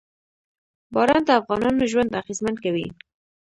باران د افغانانو ژوند اغېزمن کوي.